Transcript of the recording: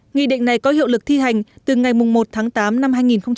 nhi định này có hiệu lực thi hành từ ngày một tháng tám năm hai nghìn một mươi tám